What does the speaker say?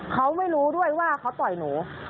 เขาไม่รู้ด้วยว่าเขาต่อยหนู